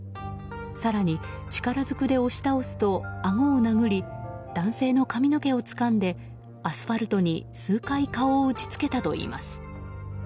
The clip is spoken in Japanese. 更に力ずくで押し倒すとあごを殴り男性の髪の毛をつかんでアスファルトに数回、顔を打ち付けたといいます。